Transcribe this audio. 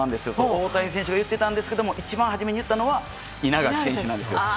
大谷選手がそう言っていたんですが一番初めに言ったのは稲垣選手なんです。